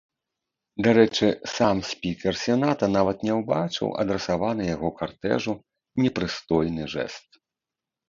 Дарэчы, сам спікер сената нават не ўбачыў адрасаваны яго картэжу непрыстойны жэст.